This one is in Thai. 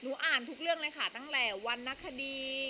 อ่านทุกเรื่องเลยค่ะตั้งแต่วันนคดี